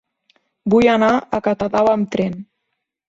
Vull anar a Catadau amb tren.